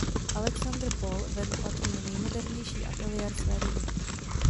Alexandr Paul vedl patrně nejmodernější atelier své doby.